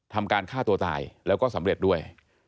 ทำการฆ่าตัวตายแล้วก็สำเร็จด้วย